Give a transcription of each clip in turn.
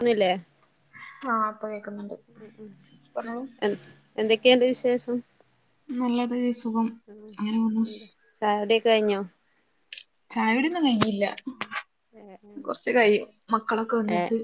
ഒന്നുല്ലെ ആഹ് പ്പ കേക്ക്ന്ന്ണ്ട് ഉ ഉ എന്തക്കെണ്ട് വിശേഷം നല്ലത് സുഖം അങ്ങനെ പോവുന്നു ചായ കുടിക്കെ കയ്ഞ്ഞോ ചായടിയൊന്നും കഴ്ഞ്ഞില്ല കുറച്ച് കഴിം മക്കളൊക്കെ ഏ വന്നിട്ട്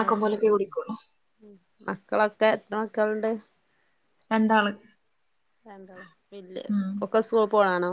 ആക്കം പോലൊക്കെ കൊട്ക്കൊള്ളൂ ഉം മക്കളൊക്കെ എ ത്ര മക്കളുണ്ട് രണ്ടാള് ഉം ഒക്കെ സ്കൂൾ പോണാണോ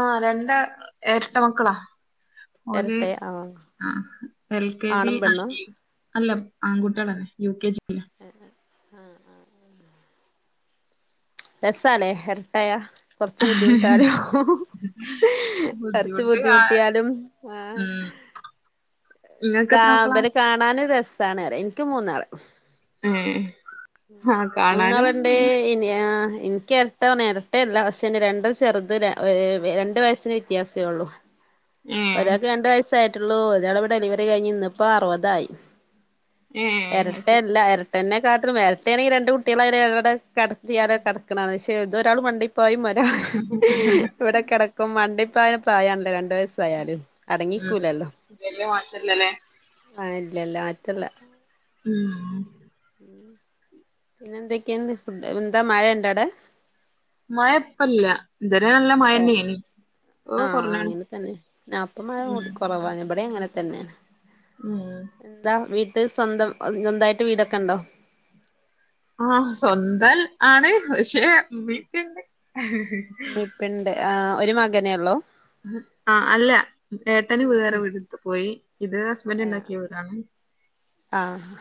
ആഹ് രണ്ട എരട്ട മക്കളാ ഓല് എരട്ടെ ആ ആഹ് എൽ. കെ. ജി ആണും ഐ പെണ്ണും ഇ അല്ല ആങ്കുട്ടിയള യു. കെ. ജിയിലാ ആഹ് ആഹ് രസാല്ലേ എരട്ടയ കൊറച്ച് ബുദ്ധിമുട്ടാലൊ കുറച്ച് ബുദ്ധിമുട്ട് ആഹ് ബുദ്ധിമുട്ടിയാലും ആഹ് ഉം നിങ്ങൾക്ക് കാ എത്ര മക്കളാ ഇവരെ കാണാനും രസാണറിയാ എനിക്ക് മൂന്നാള് ഏ ഉം മൂന്നാള്ണ്ട് ഇനി ആഹ് എനി ക്ക് എരട്ട എരട്ടേല്ല പക്ഷെ രണ്ടും ചെറുത് ഏ രണ്ട് വയസ്സിന് വ്യത്യാസേ ഒള്ളു ഏഹ് ഒരാക്കെ രണ്ട് വയസ്സായിട്ടുള്ളൂ ഒയാള് ഡെലിവറി കഴിഞ്ഞ് ഇന്നിപ്പോ അറുപതായി ഏഹ് അത് ശരി എരട്ടല്ല എര ട്ടെന്നെ കാട്ടും വെരട്ടേണെങ്കി രണ്ട് കുട്ടിയളരെ അവടെ കടത്തിയാല് കെടക്കണാണ് പക്ഷേ ഇതുവരെ ഓ ള് മണ്ടിപ്പായും മ ഇവ്ടെ കെടക്കും മണ്ടിപായ പ്രായാ ണല്ലെ രണ്ടു വയസ്. തായാലും അടങ്ങിക്കൂലല്ലോ ഉം വല്യ മാറ്റല്ലല്ലേ ആഹ് ഇല്ല ഇല്ല മാറ്റല്ല. ഉം ഉം പിന്നെ എന്തെക്കെണ്ട് എന്താ മഴ ഇണ്ടാവ്ടെ. മഴപ്പല്ല ഇതരെ നല്ല ഏഹ് മഴന്നേനി ഇപ്പൊ ആഹ് കൊറഞ്ഞാണ് അങ്ങനെ തന്നെ അപ്പ മഴ ഉം കൊറവാ ഇബടെ അങ്ങനെ തന്നെ ഉം എന്താ വീട് സ്വന്തം സ്വന്തായിട്ട് വീടൊക്കെ ഉണ്ടോ? ആഹ് സ്വന്തം ആണ് പക്ഷെ മ്മീ പ്പീ ണ്ട്. പിണ്ട് ആ ഒര് മകനെള്ളോ ആഹ് അല്ല ഏട്ടന് വേറെ വീടെടു ത്ത് പോയി ഇത് ഹസ്ബന്റ് ഉണ്ടാക്കിയവീടാണ് ആഹ്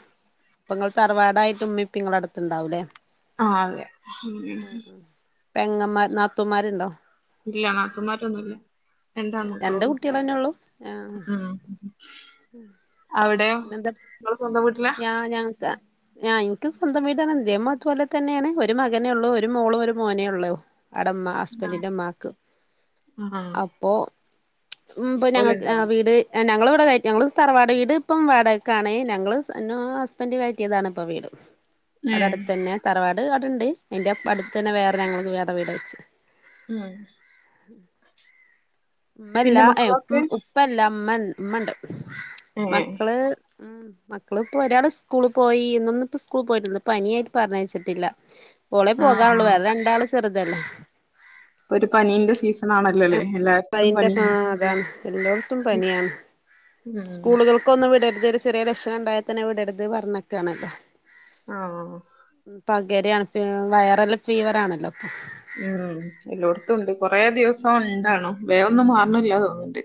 അപ്പൊ നിങ്ങൾ തറവാടാ യിട്ട് ഉമ്മി പ്പി നിങ്ങളുടെ അടുത്ത് ണ്ടാവൂ ല്ലേ ആഹ് അതെ ഉം പെങ്ങന്മാർ നാത്തൂന്മാരുണ്ടോ ഇല്ല നാത്തൂന്മാരൊന്നൂല്ല രണ്ടാൻ മക്കളെ രണ്ട് ഉള്ളൂ കുട്ടികളന്നെ ഉം ഉം അവിടെയോ നിങ്ങള് സ്വന്തം വീ ഞാ ഞങ്ങക്ക് ആഹ് എനിക്ക് സ്വന്തം വീടാണ് എന്റേം അതുപോലെ തന്നെയാണ് ഒരു മകനെ ഉള്ളൂ ഒരു മോളുംഒരു മോനേ ഉള്ളൂ അടെമ്മ ഹസ്ബന്റിന്റെ മ്മാക്ക് ആഹ് അപ്പോ ഉം പിന്നാ ഓലുണ്ടാവും വീട് ഞങ്ങള് വീട് ഞങ്ങളെ തറവാട് വീട് ഇപ്പം വാടകക്കാണ് ഞങ്ങള് എന്നോ ഹസ്ബൻഡ് കയ റ്റിയതാണ് ഇപ്പൊ വീട് അത് ഏഹ് അടുത്തന്നെ തറവാട് അവിടുണ്ട് അതിൻ്റെ അടുത്ത് തന്നെ വേറെ ഞങ്ങൾക്ക് വേറെ വീട് വെച്ച് ഉം ഉമ്മല്ല പിന്നെ ഏയ്‌ ഉപ്പ മക്കളൊക്കെ ഉപ്പല്ല ഉമ്മ ഉമ്മണ്ട് ഏഹ് മക്കള് ഉം മക്കളിപ്പോ ഒരാള് സ്കൂളി പോയി ഇന്നൊന്ന്‌ ഇപ്പ സ്കൂളി പോയിട്ടില്ല ഇന്ന് പനിയായിട്ട് പറഞ്ഞയച്ചിട്ടില്ല ഓളെ പോകാറുള്ളൂ ആഹ് വേറെ രണ്ടാള് ചെറുതല്ലേ ഇപ്പൊ ഒരു പനീന്റെ സീസൺ ആണല്ലോ ല്ലെ എല്ലാ പനിന്റെ ആഹ് അതാണ് എല്ലോർത്തും പനിയാണ് ഉം സ്കൂളുകൾ ക്കൊന്നും വീടരുത് ഒരു ചെറിയ ല ക്ഷണംണ്ടായാത്തന്നെവിടരുത് പറഞ്ഞേക്കാണല്ലോ ആഹ് ആഹ് പകരാണ് വൈറൽ ഫീവർ ആണല്ലോ അപ്പൊ ഉം എല്ലോടത്തും ഉണ്ട് കൊറേ ദിവസം ഉണ്ടാണോ വേഗൊന്നും മാറണില്ല തോന്നിണ്ട്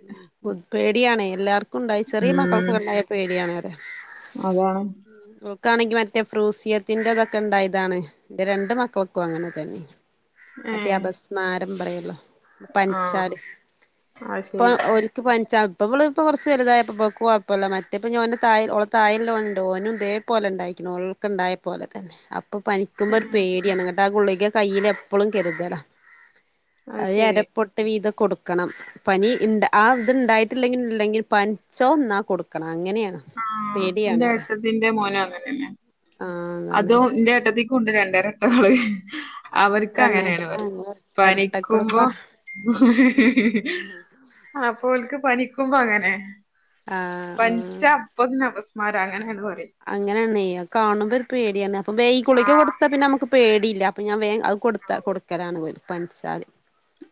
പേടിയാണെ എല്ലാർക്കും ഉണ്ടായി ചെറിയ ഉം മക്കൾക്കൊണ്ടായ പേടിയാണ് അതെ അതാണ് വോക്കാണെങ്കി മറ്റേ ഫ്രൂസിയത്തിന്റെതൊക്കെ ഉണ്ടായതാണ് എന്റെ രണ്ട് മക്കക്കും അങ്ങനെ തന്നെ മറ്റേ ഏഹ് അപസ്മാരം പറയോല്ലോ ആഹ് പനിച്ചാല് അത് ഇപ്പൊ ശരി ഒരു ഇപ്പ ഇമ്മൾ ഇപ്പ കൊറച്ച് വലുതായപ്പോ വോക്ക് കൊയ്പ്പല്ല മറ്റേപ്പ ഞൻഓള തായൽ ഉള്ള തായൽല്ല ഉണ്ട് ഓനും ദേ പോലെ ഉണ്ടായിരിക്കണം ഓൾക്കൊണ്ടായ പോലെ തന്നെ അപ്പ പനി ക്കുമ്പോ ഒരു ഉം പേടിയാണ് അങ്ങട്ട് ആ ഗുളിക കയ്യിൽ എപ്പൊഴും കരുതല അ അത് [inaudible] ശരി ത്രൊട്ട വീതം കൊട്ക്കും കൊടുക്കണം പനി ഇണ്ട് ആ ഇത് ഉണ്ടായിട്ടില്ലെങ്കില്ലെങ്കിൽ പനിച്ച ഒന്നാ കൊടുക്കണം അങ്ങനേണ് ആഹ് ഇന്റെ ഏട്ടത്തിന്റെ മോനും അങ്ങന്നന്നെ ആഹ് അതാണ് അതും ഇന്റെ ഏട്ടത്തി ക്കുണ്ട് രണ്ട് എരട്ടാള് അവര്ക്ക് തന്നെ അങ്ങനേണ് ആ പറിയും ഇരട്ടക്കുടുംബ പനിക്കുമ്പോ അപ്പോ ഓല്ക്ക് പനിക്കുമ്പം അങ്ങനെ ആഹ് ആഹ് പന്ച്ചാ അപ്പോത്തിനും അപസ്മാരാ അങ്ങനേണ് പറിയും അങ്ങനാണ്ന്നെ അഹ് കാണുമ്പെര് പേടിയാണ് അപ്പം ബേം ഈ ഗുളിക്ക ആഹ് കൊടുത്താ പിന്നെ അമ്മക്ക് പേടിയില്ലാ അപ്പം ഞാൻ വേം അഹ് കൊടുത്ത കൊടുക്കലാണ് ഇവന് പന്ച്ചാല്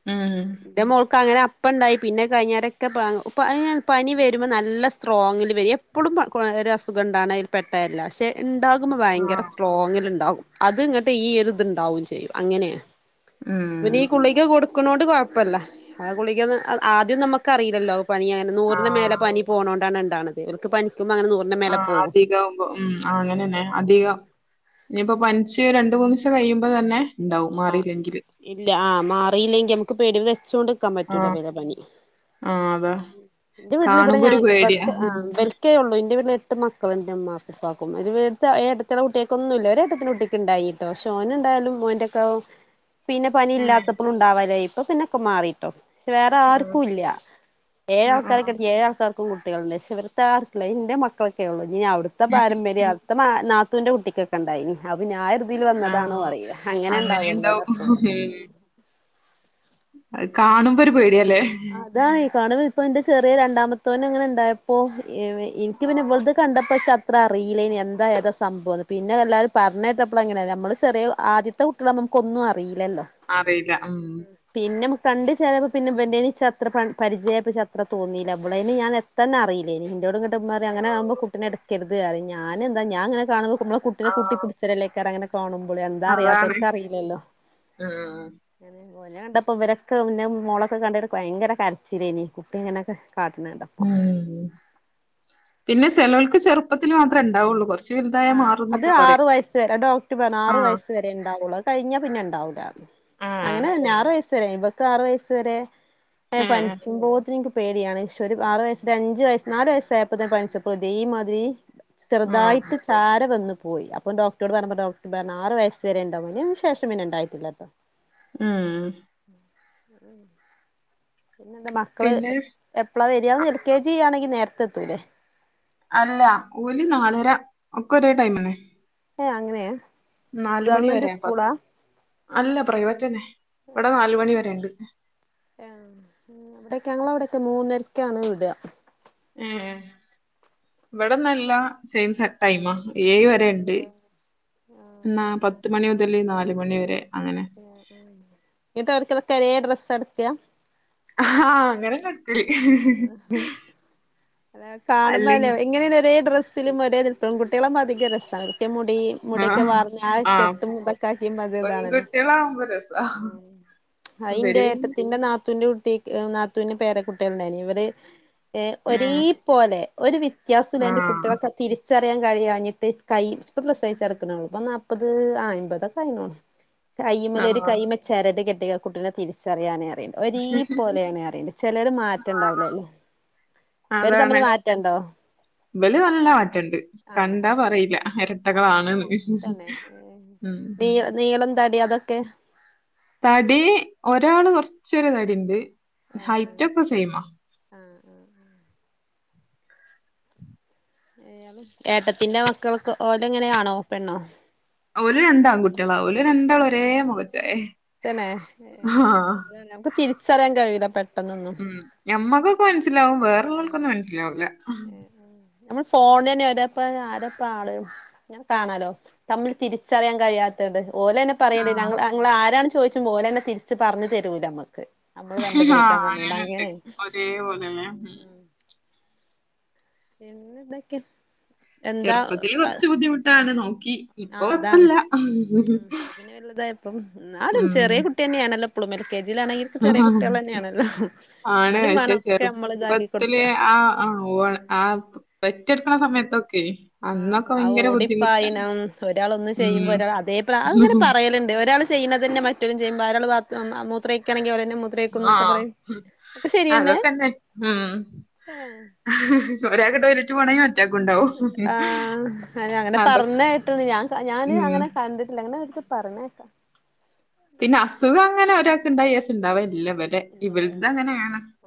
ഉം ഇന്റെ മോൾക്ക് അങ്ങനെ അപ്പണ്ടായി പിന്നെ കഴിഞ്ഞേരെക്കെ പാങ്ങ് പനി പനി വെരുമ്പോ നല്ല സ്ട്രോങ്ങില് വര്യെ എ പ്പളും പ കൊരെ അസുഖണ്ടാണെ അയില് പെ ട്ടെല്ല പക്ഷേ ഇണ്ടാക്ക്മ്പോ വയങ്കര ആഹ് സ്ട്രോങ്ങില് ഇണ്ടാവും അത് ഇങ്ങട്ട് ഈ ഒരു ഇത്ണ്ടാവും ചെയ്യും അങ്ങനെയാ പിന്നെ ഈ ഗുളിക്ക കൊട്ക്ക്ണോ ണ്ട് കൊഴപ്പല്ല ആ ഗുളിക്കേന്ന് അഹ് ആദ്യം നമ്മക്കറീല്ലല്ലോ പനിയാര്ന്ന് നൂറിന് മേലെ ആഹ് പനി പോണോണ്ടാണ് ഇണ്ടാണത് ഓല്ക്ക് പനിക്കുമ്പോ അങ്ങനെ നൂർ ആഹ് അധികം ഉം ആഹ് അങ്ങനന്നെ അധികം ഇനിയിപ്പോ പനിച്ച് രണ്ട് മൂന്നീസം കഴിയുമ്പോ തന്നെ ഇണ്ടാവും ആഹ് മാറിയില്ലെങ്കില് ഇല്ല ആഹ് മാറിയില്ലെങ്കി അമ്മക്ക് പേടിയാ വെച്ചൊണ്ട്ക്കാൻ പറ്റൂല ആഹ് ഇവലെ പനി ആഹ് അതാ ഉം ഇന്റെ വീട്ടില് ഇവെടെ കാണുമ്പോ ഞാൻ ഒരു പേടിയാ ബത് ആഹ് ഇബല് ക്കേയുള്ളു ഇന്റെ വീട്ടില് എട്ട് മക്കള് ഇന്റെ ഇമ്മാക്കും ഇപ്പാക്കും അയില് [unintelligible] ഏഴ് ഏടത്തിയെളെ കുട്ട്യാക്കൊന്നുല്ല ഒരെ ഏട്ടത്തിന്റെ കുട്ടിക്ക്ണ്ടായി ട്ടോ പക്ഷേ ഓന് ഇണ്ടായാലും മോൻ്റെക്കെ ഉം പിന്നെ പനി ഇല്ലാത്തപ്പളും ഇണ്ടാവലായി ഇപ്പ പിന്നൊക്കെ മാറിട്ടോ പക്ഷേ വേറെ ആഹ് ആര്ക്കുല്ല ഏഴാള്ക്കാരെ കെട്ടി ഏഴാള്ക്കാര്ക്കും കുട്ടികള്ണ്ട് പക്ഷേ ഇവട്ത്തെയാൾക്ക്ള്ളെ ഇന്റെ മക്കളൊക്കെയൊള്ളു ഇഞ്ഞ് ഞാൻ അവ്ടു ത്തെ പാരമ്പര്യ അവ്ടത്തെ മാ നാത്തൂന്റെ കുട്ടിക്കൊക്കെ ഇണ്ടായിനി അപ്പൊഞ്ഞാ ഒര്തീല് വന്നതാണോ അറിയില്ല അങ്ങനെ ഇണ്ടാവല്ലോ [unintelligible] അങ്ങനെണ്ടാവും ഉം അഹ് കാണുമ്പോ ഒരു പേടിയാലേ അതാണ് കാണുമ്പോ ഇപ്പൊ ഇന്റെ ചെറിയ രണ്ടാമത്തോന് അങ്ങനെ ഇണ്ടായപ്പോ എ വെ ഇന്ക്ക് പിന്നെ ആഹ് ഇവള്ത് കണ്ടപ്പോ ഇച്ചത്ര അറിയില്ലേനി എന്താ ഏതാ സംഭവന്ന് പിന്നെ അതല്ലാരും പറഞ്ഞേട്ടപ്പള് അങ്ങനേണ് ഞമ്മള് ചെറിയെ ആദ്യ ത്തെ കുട്ടിയളാവുമ്പം അമ്മക്കൊന്നും അറിയില്ലല്ലോ അറിയില്ല ഉം പിന്നെ അമ്മക്ക് കണ്ട് ചേലായപ്പം പിന്നെ ഇവന്റേന് ഇച്ചത്ര പ പരിചയപ്പച്ചത്ര തോന്നീല്ല ഇവളെയ്ന് ഞാൻ എത്തന്നെ അറിയില്ലേനി ഇന്റോട്ന്ന് ട്ട് ഇമ്മറിം അങ്ങനയാവുമ്പോ കുട്ടിനെ ഇട്ക്കരുത് പറിയും ഞാനെന്താ ഞാൻ ഇങ്ങനെ കാണുമ്പോ മ്മളെ കുട്ടിനെ കൂട്ടി ആഹ് പുടിച്ചലെല്ലേക്കാരം അങ്ങനെ കാണുമ്പളേ എന്താ അതാണ് അറിയാത്തോല്ക്ക് അറീല്ലല്ലോ ഉം അങ്ങനെ ഓനെ കണ്ടപ്പോ ഇവരക്കെ പിന്നെ മോളൊക്കെ കണ്ടിട്ട് ഭയങ്കര കരച്ചില്ലേനി കുട്ടി ഇങ്ങനെക്കെ കാണ്ട്ണെ കണ്ടാ ഉം പിന്നെ ചെലോല്ക്ക് ചെറുപ്പത്തില് മാത്രേ ഇണ്ടാവോള്ളു കൊറ ആഹ് അത് ആറ് വയസ്സ് വരെ ഡോക്ട് പറഞ്ഞു ആറു ആഹ് വയസ് വരെ ഇണ്ടാവോള്ളു അഹ് കഴിഞ്ഞാ പിന്നെ ഇണ്ടാവൂലാന്ന് അങ്ങനെ തന്നെ ആറു വയസ്സ് വരെ ഇവൾക്ക് ആറു വയസ്സ് വരെ ഏഹ് ആഹ് പനിച്ച്മ്പോത്തിന് ഇന്ക്ക് പേടിയാണ് പക്ഷേ ഒരു ആറ് വയസ് ഒരഞ്ചുയസ്സ് നാല് വയസായപ്പോത്തിന് പന്ച്ചപ്പോ ഇതേ മാതിരി ആഹ് ചെറുതായിട്ട്ച്ച് [unintelligible] വന്ന് പോയി അപ്പം ഡോക്റ്റോട് പറ്ഞ്ഞപ്പോ ഡോക്ട് പറഞ്ഞ് ആറ് വയസ്സരെ ഇണ്ടാവും അയിന് ശേഷം പിന്നെ ഇണ്ടായിട്ടില്ലട്ടോ ഉം ഉം പിന്നെ എന്താ മക്കള് പിന്നെ എപ്പളാ വരാ? എൽ കെ ജി ആണെങ്കിൽ നേരത്തെ എത്തൂല്ലേ അല്ല ഓല് നാലര ഒക്കെ ഒരേ ടൈം ന്നെ ഏ അങ്ങനെയ മണി ഗവണ്മെന്റ് വരെ പ സ്കൂളാ? അല്ല പ്രൈവറ്റ്ന്നെ ഇവിടെ നാല് മണി വരെ ണ്ട് ആ വിടെയൊക്കെ ഞങ്ള അവിടെയൊക്കെ മൂന്നരക്കാണ് വിടാ മം ഇവിടെ നല്ല സെയിം സെട്ടായിമ വരെ ഉണ്ട് ന്നാ പത്ത് മണി മുതൽ നാല് മണി വരെ അങ്ങനെ മം മം [unintelligible] ഒരേ ഡ്രസ് എടുക്ക ആഹ് അങ്ങനെ ആ കാണുമ്പോ അല്ലെ അല്ലേ എങ്ങനെ ഒരേ ഡ്രസ്സ് ലും ഒരേ പെൺകുട്ടികൾ ആവുമ്പോ അധികം രസാണ് [unintelligible] മുടി മുടിയൊക്കെ ആഹ് വാർന്നു ആ ആഹ് കെട്ടും തൊക്കെ ആക്കി ഇതാണല്ലോ പെൺകുട്ടികളാവുമ്പോ രസാ ആ അയ് ന്റെ ഇവര് പിന്നെ ഏട്ടത്തിന്റെ നാത്തൂന്റെ കുട്ടി നാത്തൂന്ന് പേര ക്കുട്ടിയേള് ഉണ്ടയിനു ഇവര് ഏ ഒരേ ഉം പോലെ ഒരു വ്യത്യാസ വേണ്ടന്റെ ആഹ് കുട്ടികൾക്ക തിരിച്ചറിയൻ കഴിയാഞ്ഞിട്ട് കൈ ഇപ്പം പ്രസവിച് കെടക്കനൊള്ളു പ്പം നാൽപ്പത് അമ്പതൊക്കെ ആയിണ് [inaudible] കൈയ്യിമ്മേലൊരു ഒരു ആഹ് കൈയിമെ ചരട് കെട്ട കുട്ടിനെ തിരിച്ചറിയാനെ പറയും ഒരേ ആഹ് പോലേണ് പറയണ്ട് ചേലൊരു മാറ്റംണ്ടാവലല്ലോ അതാണ് ഇവല് നല്ല മാറ്റണ്ട് കണ്ടാ ആഹ് പറയീല എര ആഹ് തന്നെ ഉം നീ നീളം തടി അതൊക്കെ തടി ഒരാള് കൊറച്ചൊരു തടിണ്ട് ഹൈറ്റ് ഒക്കെ സെയിമാ ഏഹ് ഏട്ടത്തിന്റെ മക്കൾക്ക് ഓലങ്ങനെ ആണോ? പെണ്ണോ? ഓല് രണ്ടാങ്കുട്ട്യോളാ ഓല് രണ്ടാളും ഒരേ മുഖച്ചായേ തെന്നെ ആഹ് ഞമുക്ക് തിരിച്ചറിയൻ കഴിയൂല പെട്ടെന്നെന്നും ഉം ഞമ്മക്കൊക്കെ മനസ്സിലാവും ആഹ് വേറെള്ളോൽക്കൊന്നും മനസ്സിലാവൂല്ല നമ്മൾ ഫോണെന്നെ ഒരെപ്പ ആരാപ്പാള്? ഇങ്ങനെ കാണാലോ തമ്മിൽ തിരിച്ചറിയാൻ കഴിയാത്തത് ഓലെന്നെ പറയേണ്ടി ഞ ആഹ് ഞങ്ങളാരാണ് ചോദിച്ചുബോലെന്നെ തിരിച്ച് പറഞ്ഞു തരൂലമ്മക്ക് നമ്മള് കണ്ടുപിടിക്കാൻ ആഹ് അങ്ങനെണ്ട് പറഞ്ഞണ്ടാങ്ങനെ ഒരേ പോലെല്ലേ ഉം [inaudible] പിന്നെന്തൊക്കാ? ചെറുപ്പത്തിൽ കൊറച്ച് ബുദ്ധിമുട്ടാണ് നോക്കി ആ ഇപ്പൊ അതാണ് കൊഴപ്പല്ല ഉം പിന്നെ വല്ലുതായപ്പം എന്നാലും ചെറിയ കുട്ടി ട്ട്യെന്നാണല്ലേ ഇപ്പോളും എൽ കെ ജി ആണെങ്കിലും ഇപ്പോ ചെറിയ ഉം കുട്ടികളെന്നെയാണല്ലോ ആണ്. എന്നാലും പക്ഷെ വാണം ഒക്കെ നമ്മൾ ഇതാക്കി ചെറുപ്പത്തില് കൊടുക്കാ ആ ആ ഓ ആ പെറ്റെട്ക്കണ സമയത്തൊക്കെ ആഹ് അന്നൊക്കെ ആ ഭയങ്കര ബുദ്ധിമുട്ടാണ്. ഓടിപ്പായണം മം ഒരാൾ ഒന്ന് ചെയ്യുമ്പോ ഉം. ഒരാൾ അതേപ അതിങ്ങനെ പറയലുണ്ട് ഒരാൾ ചെയ്യണതെന്നെ മറ്റോലും ചെയ്യും വേറൊരാൾ ബാത്ത് മൂത്രയിക്കാണെങ്കിൽ ഓലെന്നെ മൂ ആഹ് അതൊക്കെന്നെ ഉം ഒരാക്ക് ടോയിലറ്റ് പോണെങ്കിൽ മാ റ്റാക്കും ഉണ്ടാവും ആ അങ്ങനെ പറഞ്ഞെട്ട്‌ണ് ഞാൻ ഞാന് ഉം. അങ്ങനെ കണ്ടിട്ടില്ല അങ്ങനെ ഒരിക്കെ പറഞ്ഞേട്ടണ് പിന്നെ അസുഖങ്ങെനെ ഒരാക്കെണ്ടായാച്ചെ ഉണ്ടാവെല്ലാ ഇവൽ ഇല്ലെ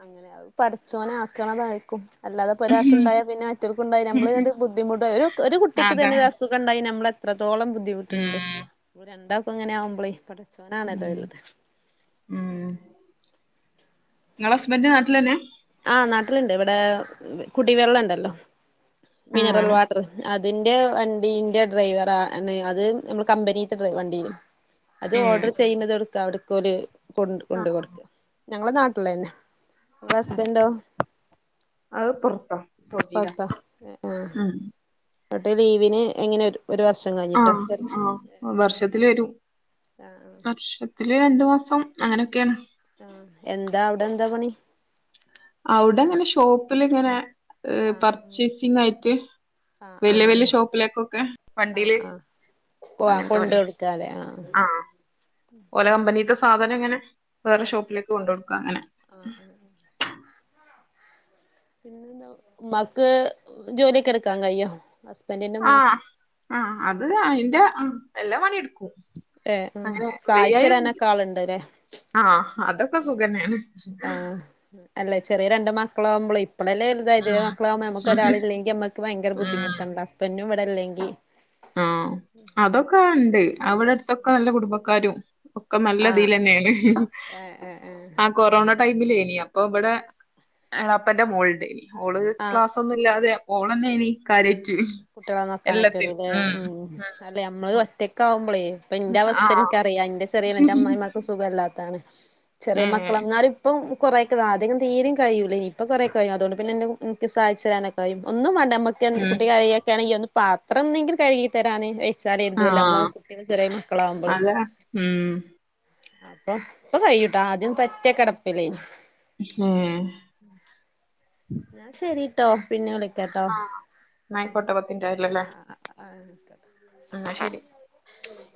അങ്ങനെ അത് പടച്ചോനാക്കണതായിരിക്കും അല്ലാതെ ഒരാൾക്കുണ്ടായാപ്പിന്നെ മറ്റൊർക്കുണ്ടായി നമ്മള് എന്തൊ ബുദ്ധിമുട്ട് ഒരു ഒരു കുട്ടിക്ക് അതാണ്. തന്നെ അസു ഖണ്ടായി നമ്മളെത്രത്തോളം ബുദ്ധിമുട്ടുണ്ട് ഉം. അപ്പൊ രണ്ടാക്കും ഇങ്ങനെ ആകുമ്പളെ ചൊണാണല്ലോ ഉം. വലുത് ഉം ഇങ്ങളസ്ബന്റ് നാട്ടിലെന്നെ? ആഹ് നാട്ടിലുണ്ട് ഇവിടെ കുടിവെള്ളണ്ടല്ലോ ആ. മിനറൽ വാട്ടർ അതിന്റെ വണ്ടീന്റെ ഡ്രൈവറാ ണ് അത് നമ്മുടെ കമ്പനിത്തെ വണ്ടി അത് ഏഹ്. ഓർഡർ ശരി. ചെയ്യുന്നത് എവ്ടുക്കാ അവ്ട്ക്കോല് കൊണ്ട് ആ. കൊണ്ട് കൊടുക്ക ഞങ്ങളെ നാട്ടിലെന്നാ ഹസ്‌ബൻ്റഓ അത് പൊറത്താ സൗദിയിലാ. പോർത്ത ആ ഉം. എന്നട്ടെ ലീവിന് എങ്ങനെരു ഒരു വർഷം കഴിഞ്ഞിട്ടോ ആഹ് വരല് ആഹ് വർഷത്തില് വരും ആഹ് വർഷ ത്തില് രണ്ടു മാസം അങ്ങനെക്കെയാണ്. ആഹ് എന്താ അവ്ടെ എന്താ പണി? അവിടെങ്ങനെ ഷോപ്പിലിങ്ങനെ ആഹ് ആഹ് പർച്ചേസിങ്ങായിട്ട് ആഹ് വല്യ വല്യ ആഹ് ഷോപ്പിലേക്കൊക്കെ വണ്ടിയില് പോ അങ്ങനത്തെ പണിയാ കൊണ്ടാടുക്കാലെ ആഹ് ഓലെ കമ്പനീത്തെ സാധനിങ്ങനെ വേറെ ഷോപ്പിലേക്ക് കൊണ്ടൊടുക്ക അങ്ങനെ ആഹ് പിന്നെന്താ ഉമ്മാക്ക് ജോലിയൊക്കെ എടുക്കാൻ കയ്യോ ഹസ്ബെന്റിന്റെ ഉമ്മാക്ക് ആഹ് ആഹ് അത് അയിന്റെ ആഹ് എല്ലാ പണി എടുക്കും ഏ ഉം അങ്ങനെ വയ്യായൊന്നുല്ല സഹായിച്ചെരാനൊക്കെ ആളുണ്ട്ല്ലേ ആഹ് അതൊക്കെ സുഖെന്നാണ് അല്ലെ ചെറിയ രണ്ട് മക്കളാവുമ്പളെ ഇപ്പളല്ലെ വലുതായത് മക്കളാവുമ്പോ അമ്മക്ക് ഉം ഒരാളില്ലെങ്കി അമ്മക്ക് ഭയങ്കര ഉം ബുദ്ധിമുട്ടുണ്ട് ഹസ്ബൻഡും ഇവിടെല്ലെങ്കിൽ ഉം അതൊക്കെ അവിടെണ്ട് അവിടടുത്തൊക്കെ നല്ല കുടുംബക്കാരും ഒക്കെ ആഹ് നല്ലതിലെന്നെല്ലെ ഏഹ് ഏഹ് ഏഹ് ആ കൊറോണ ടൈമിലേനി അപ്പ ബടെ എളാപ്പേന്റെ മോള് ഇണ്ടേനി ഓള് ആഹ് ക്ലാസ് ഒന്നുല്ലാതെ അപ്പോ ഓളന്നേനി കാര്യാറ്റു കുട്ടികളെ നോക്കാനൊക്കെ എല്ലാത്തിനും വരൂല്ലേ ഉം അല്ല ഞമ്മള് ഉം ഉം. ഒറ്റക്ക് ആവുമ്പോളേ ഇപ്പ ഇന്റെ ആ അവസ്ഥ എനിക്കറിയാം ഇന്റെ ചെറിയെ ന്റെ അമ്മയമ്മക്കും സു സുഖല്ലാത്തതാണ് ചെറിയ ഏ മക്കളാ എന്നാലും ഇപ്പം ഇപ്പോ കൊറെക്കെ മാ ആദ്യക്കെ തിരീം കഴിയൂലേനിം ഇപ്പോ കൊറേക്കെ കയ്യും അതുകൊണ്ട് പിന്നെ ഇന്നെ എനിക്ക് സഹായിച്ച് തരാനൊക്കായും ഒന്നും വേണ്ടമ്മ ക്ക് ഉം. കുട്ടി കരയൊക്കെ ആണെങ്കിൽ ഒന്ന് പാത്രം ഒന്നെങ്കിലും കഴുകി തരാന് എന്ത് ച്ചാല് ആ എന്തുല്ല നമ്മള് കുട്ട്യള് ചെറിയ മക്കളാവുമ്പള് അതാ ഉം അപ്പൊ ഇപ്പൊ കഴിയൂട്ടാ ആദ്യം പറ്റ കെടപ്പില്ലേനി ഉം ന്നാ ശരിട്ടോ പിന്നെ വിളിക്കാട്ടോ ആ ഉം എന്നായിക്കോട്ടെ പത്തിന്റെ ആഹ് ആഹ് ആഹ് വിളിക്കാം ആഹ് ശരി ഉം